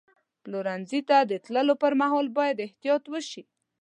پلورنځي ته د تللو پر مهال باید احتیاط وشي.